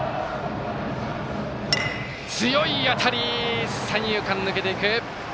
強い当たり三遊間、抜けていく。